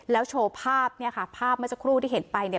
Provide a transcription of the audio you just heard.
แล้วโชว์ภาพเนี่ยค่ะภาพเมื่อสักครู่ที่เห็นไปเนี่ย